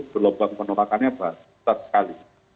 berlombang penolakannya berhenti sekali